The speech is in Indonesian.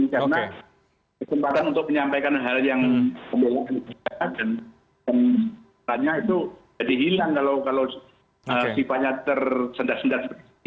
karena kesempatan untuk menyampaikan hal yang kemudian diperhatikan dan pengetahuan itu jadi hilang kalau sifatnya tersendat sendat seperti ini